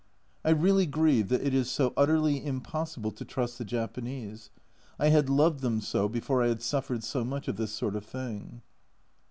I really grieve that it is so utterly impossible to trust the Japanese ; I had loved them so before I had suffered so much of this sort of thing.